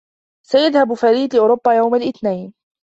سيذهب فريد لأوروبا يوم الإثنين.